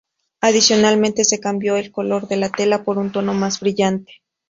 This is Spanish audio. Adicionalmente se cambió el color de la tela por un tono más brillante.